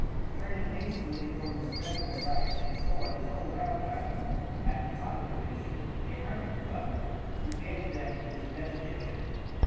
Turning hastily from this dreadful sight, they saw a little round island, at the top of which a hermit dwelt, who gave them his benediction.